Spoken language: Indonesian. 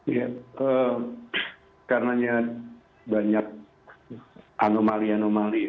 ya karenanya banyak anomali anomali